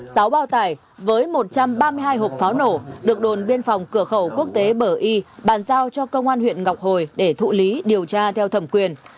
sáu bao tải với một trăm ba mươi hai hộp pháo nổ được đồn biên phòng cửa khẩu quốc tế bờ y bàn giao cho công an huyện ngọc hồi để thụ lý điều tra theo thẩm quyền